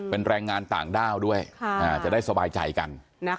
เป็นแรงงานต่างด้าวด้วยจะได้สบายใจกัน